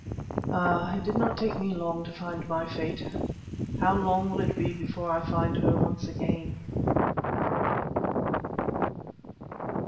Ah, it did not take me long to find my fate. How long will it be before I find her once again?